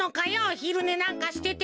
ひるねなんかしてて。